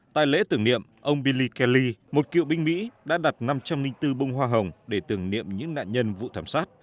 tại lễ tưởng niệm ông billy kelly một cựu binh mỹ đã đặt năm trăm linh bốn bông hoa hồng để tưởng niệm những nạn nhân vụ thảm sát